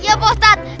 iya pak ustadz